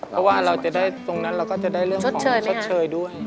เพราะว่าเราจะได้ตรงนั้นเราก็จะได้เรื่องของชดเชยด้วย